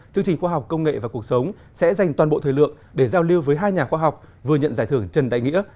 chương trình khoa học công nghệ và cuộc sống sẽ dành toàn bộ thời lượng để giao lưu với hai nhà khoa học vừa nhận giải thưởng trần đại nghĩa